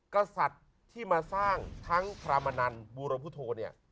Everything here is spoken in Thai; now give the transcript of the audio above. กษัตริย์ที่มาสร้างทั้งพระมนันบูรพุทธโธเนี่ย